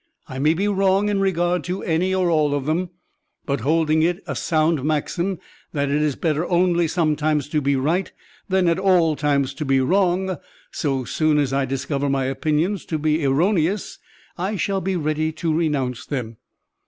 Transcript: I may be wrong in regard to any or all of them, but, holding it a sound maxim that it is better only sometimes to be right than at all times to be wrong, so soon as I discover my opinions to be erroneous, I shall be ready to renounce them.